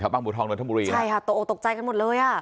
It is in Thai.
ทะบังบุทองดนทมบุรีใช่ค่ะโต๊ะโอตกใจกันหมดเลยอ่ะ